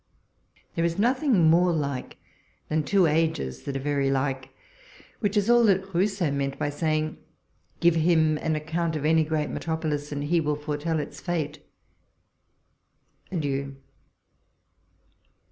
There is nothing more like than two ages that are very like ; which is all that Rousseau means by say ing, ■' give him an account of any great metropo lis, and he will foretell its fate." Adieu!